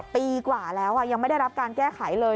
ปีกว่าแล้วยังไม่ได้รับการแก้ไขเลย